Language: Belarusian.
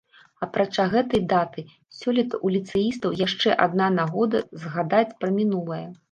Апрача гэтай даты, сёлета ў ліцэістаў яшчэ адна нагода згадаць пра мінулае.